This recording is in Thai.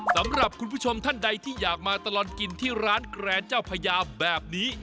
สำหรับคุณผู้ชมท่านใดที่อยากมาตลอดกินที่ร้านแกรนเจ้าพญาแบบนี้